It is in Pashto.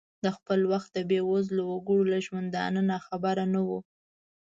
د خپل وخت د بې وزلو وګړو له ژوندانه ناخبره نه ؤ.